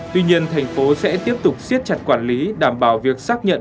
tuy nhiên thành phố sẽ tiếp tục siết chặt quản lý đảm bảo việc xác nhận